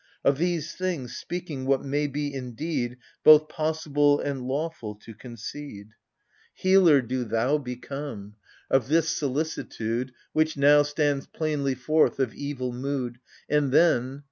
Of these things, speaking what may be indeed Both possible and lawful to concede. lo AGAMEMNON. Healer do thou become !— of this solicitude Which, now, stands plainly forth of evil mood, And, then